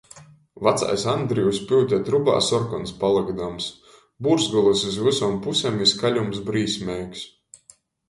Vacais Andryvs pyute trubā, sorkons palykdams, būrzgolys iz vysom pusem i skaļums brīsmeigs.